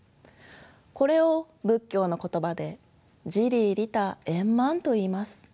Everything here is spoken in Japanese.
これを仏教の言葉で「自利利他円満」といいます。